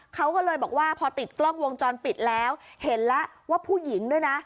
เขาก็เลยบอกว่าพอติดกล้องวงจรปิดแล้วเห็นแล้วว่าผู้หญิงด้วยนะ